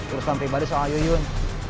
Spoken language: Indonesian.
urusan pribadi soal yuyun